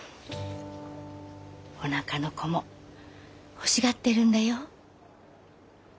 おなかの子も欲しがってるんだよ。